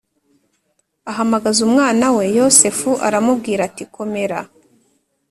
ahamagaza umwana we Yosefu aramubwira ati komera